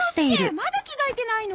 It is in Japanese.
まだ着替えてないの？